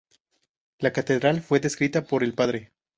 La catedral fue descrita por el padre.